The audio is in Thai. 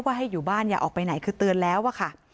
ให้อยู่บ้านอย่าออกไปไหนคือเตือนแล้วอะค่ะ